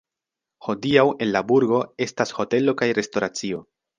Hodiaŭ en la burgo estas hotelo kaj restoracio.